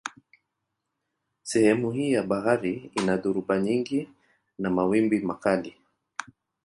Sehemu hii ya bahari ina dhoruba nyingi na mawimbi makali.